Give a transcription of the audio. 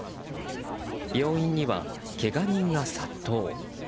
病院には、けが人が殺到。